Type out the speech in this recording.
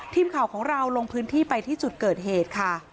ทีมข่าวของเราลงพื้นที่ไปที่จุดเกิดเหตุค่ะ